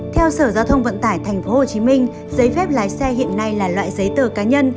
theo sở giao thông vận tải tp hcm giấy phép lái xe hiện nay là loại giấy tờ cá nhân